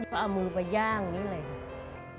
ก็เอามือไปย่างอย่างนี้เลยค่ะ